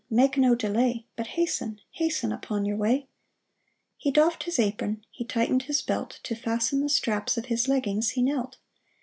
Make no delay, But hasten, hasten, upon your way !" He doffed his apron, he tightened his belt. To fasten the straps of his leggings he knelt.